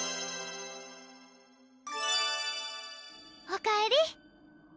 おかえり！